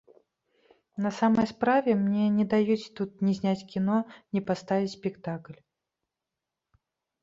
На самай справе, мне не даюць тут ні зняць кіно, ні паставіць спектакль.